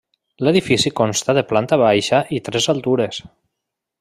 L'edifici consta de planta baixa i tres altures.